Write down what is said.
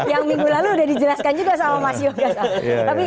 yang minggu lalu udah dijelaskan juga sama mas yoga